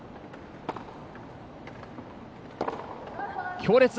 強烈！